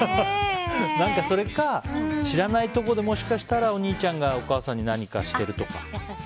それか、知らないところでもしかしたら、お兄ちゃんがお母さんに何かしてるとか。